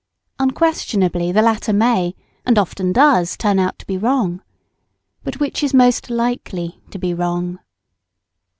Unquestionably the latter may, and often does, turn out to be wrong. But which is most likely to be wrong?